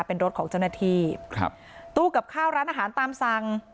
เป็นรถของเจ้าหน้าที่ครับตู้กับข้าวร้านอาหารตามสั่ง